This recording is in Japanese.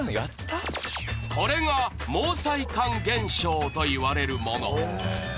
これが毛細管現象といわれるもの！